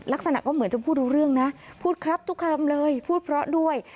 ลักษณะก็เหมือนจะพูดรู้เรื่องนะพูดครับทุกคำเลยพูดเพราะด้วย